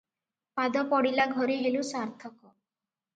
ପାଦ ପଡ଼ିଲା ଘରେ ହେଲୁ ସାର୍ଥକ ।